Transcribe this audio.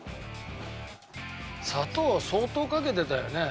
砂糖は相当かけてたよね